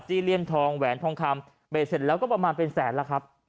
เลี่ยมทองแหวนทองคำเบสเสร็จแล้วก็ประมาณเป็นแสนแล้วครับ